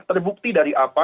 terbukti dari apa